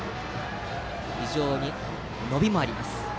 非常に伸びもあります。